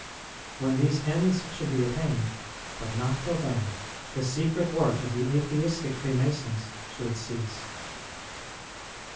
When these ends should be attained, but not till then, the secret work of the Atheistic Free masons should cease.